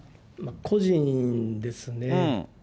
個人ですね。